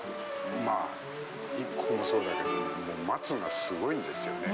まあここもそうだけど松がすごいんですよね。